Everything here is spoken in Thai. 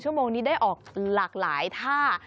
โมงนี้ได้ออกหลากหลายท่า